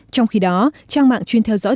trong khi đó trang mạng chuyên theo dõi